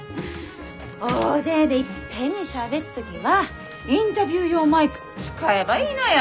大勢でいっぺんにしゃべっ時はインタビュー用マイク使えばいいのよ。